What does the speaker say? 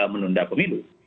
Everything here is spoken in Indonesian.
untuk penundaan pemilu